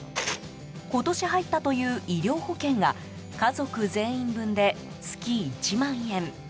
今年入ったという医療保険が家族全員分で月１万円。